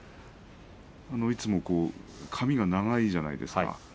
いつも髪が長いじゃないですか。